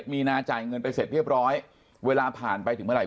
มีนาจ่ายเงินไปเสร็จเรียบร้อยเวลาผ่านไปถึงเมื่อไห